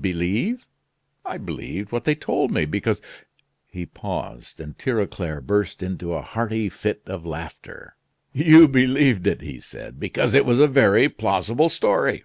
"Believe! I believed what they told me, because " He paused, and Tirauclair burst into a hearty fit of laughter. "You believed it," he said, "because it was a very plausible story."